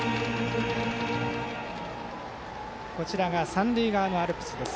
三塁側のアルプスです。